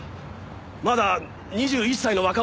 まだ２１歳の若者。